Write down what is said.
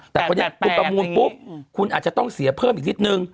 แต่คนนี้คุณประมูลปุ๊บคุณอาจจะต้องเสียเพิ่มอีกนิดนึง